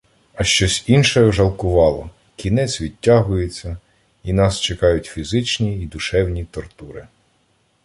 А щось інше жалкувало: кінець відтягується, і нас чекають фізичні й душевні тортури.